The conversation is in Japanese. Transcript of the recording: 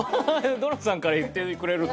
ドナさんから言ってくれるの。